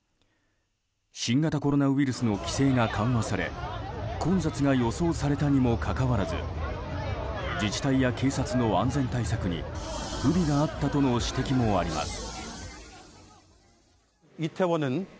新型コロナウイルスの規制が緩和され混雑が予想されたにもかかわらず自治体や警察の安全対策に不備があったとの指摘もあります。